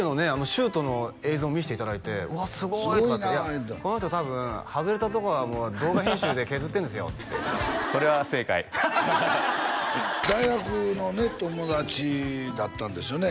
シュートの映像見せていただいてうわすごいとかってすごいな言うてたこの人多分外れたとこはもう動画編集で削ってんですよってそれは正解大学のね友達だったんですよね？